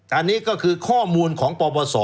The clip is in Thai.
อันนี้ก็คือข้อมูลของปปศ